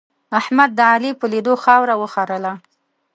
احمد د علي په لیدو خاوره وخرله.